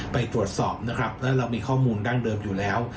ไปตรวจสอบนะครับแล้วเรามีข้อมูลดั้งเดิมอยู่แล้ว